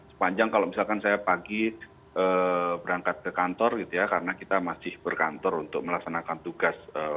sepanjang kalau misalkan saya pagi berangkat ke kantor gitu ya karena kita masih berkantor untuk melaksanakan tugas